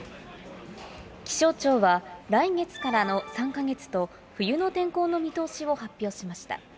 気象庁は、来月からの３か月と、冬の天候の見通しを発表しました。